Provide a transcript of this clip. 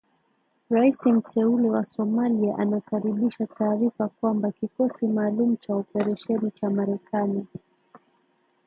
Raisi mteule wa Somalia anakaribisha taarifa kwamba kikosi maalumu cha operesheni cha Marekani